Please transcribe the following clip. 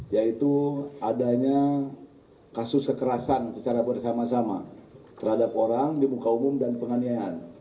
yaitu adanya kasus kekerasan secara bersama sama terhadap orang di muka umum dan penganiayaan